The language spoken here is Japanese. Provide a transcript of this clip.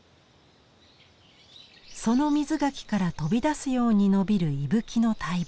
その瑞垣から飛び出すように伸びるイブキの大木。